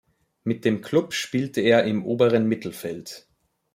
Mit dem Klub spielte er im oberen Mittelfeld.